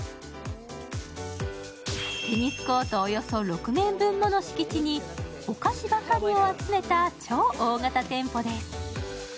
テニスコートおよそ６面分もの敷地にお菓子ばかりを集めた超大型店舗です。